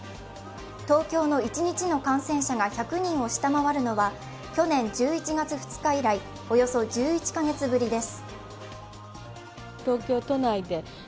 東京の一日の感染者が１００人を下回るのは去年１１月２日以来、およそ１１カ月ぶりです。